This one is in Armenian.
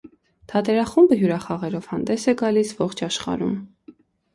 Թատերախումբը հյուրախաղերով հանդես է գալիս ողջ աշխարհում։